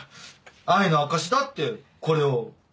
愛の証しだってこれを。